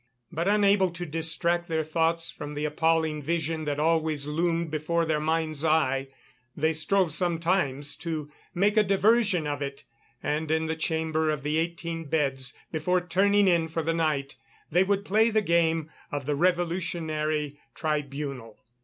But, unable to distract their thoughts from the appalling vision that always loomed before their mind's eye, they strove sometimes to make a diversion of it, and in the chamber of the eighteen beds, before turning in for the night, they would play the game of the Revolutionary Tribunal.